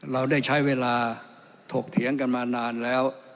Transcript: เราได้ใช้เวลาถกเถียงกันมานานแล้ว